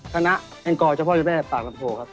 แองกอร์เจ้าพ่อเจ้าแม่ปากลำโพครับ